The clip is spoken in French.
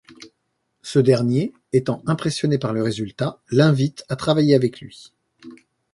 Ce dernier, étant impressionné par le résultat, l'invite à travailler avec lui.